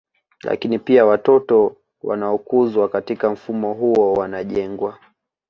Lakini pia watoto wanaokuzwa katika mfumo huo wanajengwa